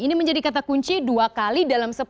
ini menjadi kata kunci dua kali dalam